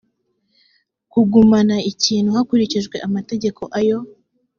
kugumana ikintu hakurikijwe amategeko ayo